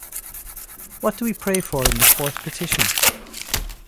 What do we pray for in the fourth petition?